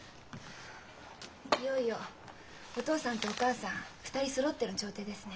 いよいよお父さんとお母さん２人そろっての調停ですね。